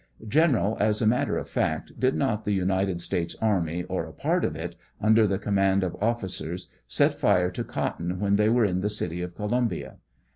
General, as a matter of fact, did not the TTnited States army, or a part of it, under the command of officers, set fire to cotton when they were in the city of Columbia?